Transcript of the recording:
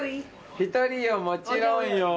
１人よもちろんよ。